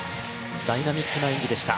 ダイナミックな演技でした。